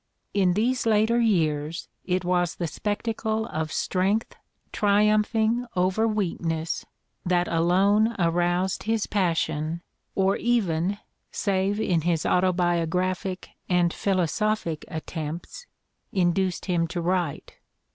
In these later years it was the spectacle of strength triumphing over weakness that alone aroused his pas sion or even, save in his autobiographic and philosophic attempts, induced him to write.